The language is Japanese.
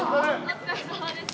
お疲れさまです。